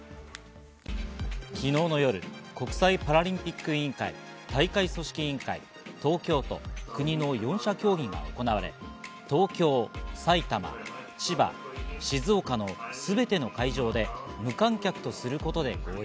昨日の夜、国際パラリンピック委員会、大会組織委員会、東京都、国の４者協議が行われ、東京、埼玉、千葉、静岡のすべての会場で無観客とすることで合意